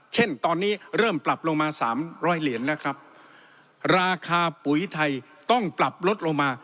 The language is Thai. เช่นตอนนี้เริ่มปรับลงมาสามร้อยเหรียญแล้วครับราคาปุ๋ยไทยต้องปรับลดลงมา